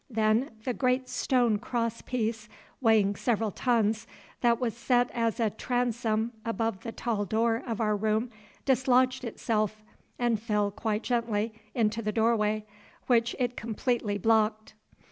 Then the great stone cross piece, weighing several tons, that was set as a transom above the tall door of our room, dislodged itself, and fell quite gently into the doorway, which it completely blocked.